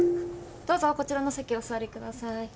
どうぞこちらの席お座りください。